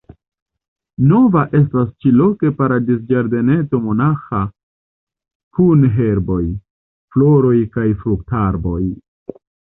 Nova estas ĉi-loke paradiz-ĝardeneto monaĥa kun herboj, floroj kaj fruktarboj.